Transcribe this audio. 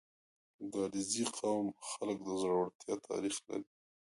• د علیزي قوم خلک د زړورتیا تاریخ لري.